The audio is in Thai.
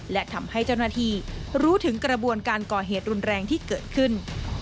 และทำให้เจ้าหน้าที่รู้ถึงกระบวนการก่อเหตุรุนแรงที่เกิดขึ้น